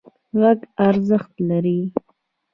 غږ ارزښت لري.